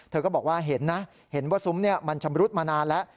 เธอก็บอกว่าเห็นนะเห็นว่าซูมภาพเนี่ยมันชำรุษมานานแล้ว